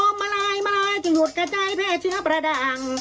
มาลายมาลายจะหยุดกระจายแพร่เชื้อประดัง